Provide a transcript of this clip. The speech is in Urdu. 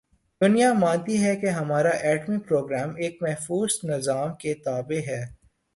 دنیا مانتی ہے کہ ہمارا ایٹمی پروگرام ایک محفوظ نظام کے تابع ہے۔